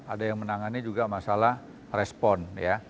ada yang menangani juga masalah respon